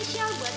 terima kasih pak